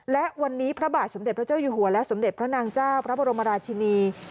และวันนี้พระบาทสมเด็จพระเจ้าอยู่หัวและสมเด็จพระนางเจ้าพระบรมราชินี